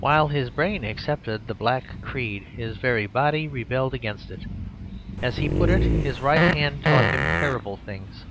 While his brain accepted the black creed, his very body rebelled against it. As he put it, his right hand taught him terrible things.